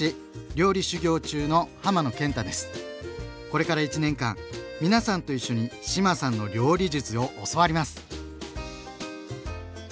これから１年間皆さんと一緒に志麻さんの料理術を教わります！